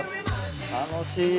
楽しい。